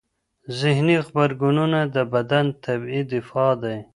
ذهني غبرګونونه د بدن طبیعي دفاع دی.